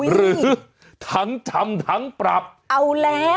หรือฮึถังทำถังปรับเอาแล้ว